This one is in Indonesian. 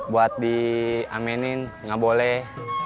buat diamenin nggak boleh